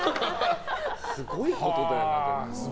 すごいことだよな。